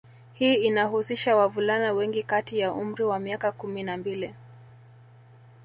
Hii inahusisha wavulana wengi kati ya umri wa miaka kumi na mbili